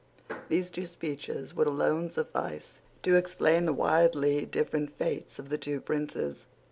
These two speeches would alone suffice to explain the widely different fates of the two princes.